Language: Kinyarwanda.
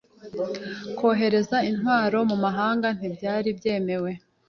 Kohereza intwaro mu mahanga ntibyari byemewe.